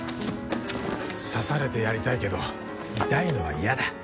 刺されてやりたいけど痛いのは嫌だ。